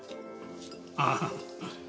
ああ。